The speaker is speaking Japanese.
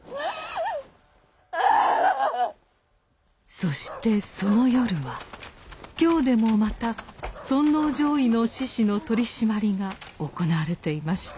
そしてその夜は京でもまた尊王攘夷の志士の取締りが行われていました。